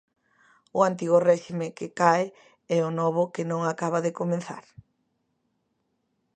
O Antigo Réxime que cae e o novo que non acaba de comezar?